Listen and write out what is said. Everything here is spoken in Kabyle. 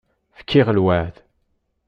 Fkiɣ lweεd.